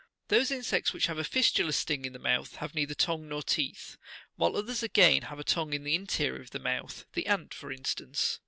Those insects which have a fistulous sting in the mouth, have neither tongue nor teeth ; while others, again, have a tongue in the interior of the mouth, the ant, for instance.